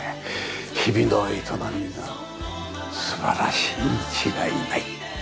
日々の営みが素晴らしいに違いない。